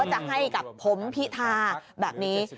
จะให้กับผมพิธาแบบนี้